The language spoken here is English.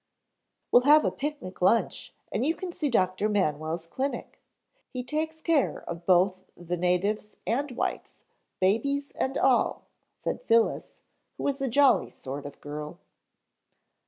"We'll have a picnic lunch and you can see Dr. Manwell's clinic. He takes care of both the natives and whites, babies and all," said Phyllis, who was a jolly sort of girl.